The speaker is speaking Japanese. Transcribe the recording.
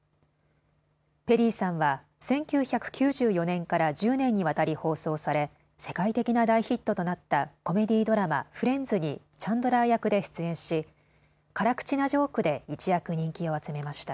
ペリーさんは１９９４年から１０年にわたり放送され世界的な大ヒットとなったコメディードラマ、フレンズにチャンドラー役で出演し辛口なジョークで一躍人気を集めました。